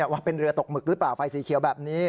ว่าเป็นเรือตกหมึกหรือเปล่าไฟสีเขียวแบบนี้